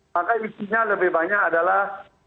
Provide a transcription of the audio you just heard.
maka isinya lebih banyak adalah